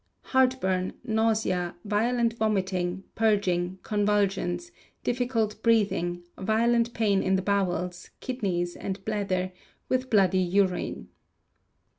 Heartburn, nausea, violent vomiting, purging, convulsions, difficult breathing, violent pain in the bowels, kidneys, and bladder, with bloody urine.